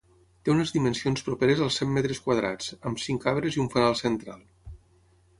Té unes dimensions properes als cent metres quadrats, amb cinc arbres i un fanal central.